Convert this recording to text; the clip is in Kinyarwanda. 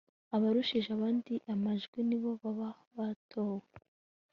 abarushije abandi amajwi nibo baba batowe